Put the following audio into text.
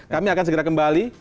kami akan segera kembali